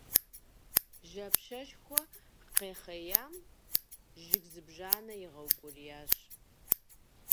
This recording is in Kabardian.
Жьапщэшхуэ къэхъеям жыг зыбжанэ игъэукӀуриящ.